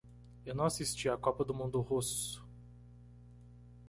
Eu não assisti a copa do mundo russo.